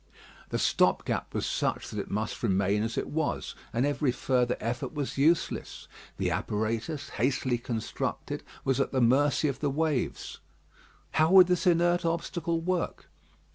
The stopgap was such that it must remain as it was; and every further effort was useless. The apparatus, hastily constructed, was at the mercy of the waves. How would this inert obstacle work?